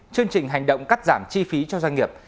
chương trình hành động cắt giảm chi phí cho doanh nghiệp